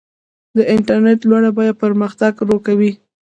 د انټرنیټ لوړه بیه پرمختګ ورو کوي.